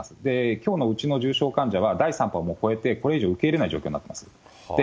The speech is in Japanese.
きょうのうちの重症患者は、第３波を越えて、これ以上受け入れない状況になっています。